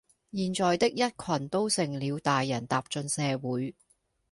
現在的一群都成了大人踏進社會